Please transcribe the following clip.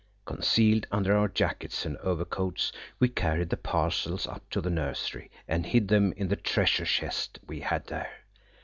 Concealed under our jackets and overcoats, we carried the parcels up to the nursery, and hid them in the treasure chest we had there.